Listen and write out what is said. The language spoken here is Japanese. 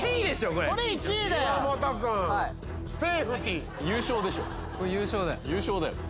・これ優勝だよ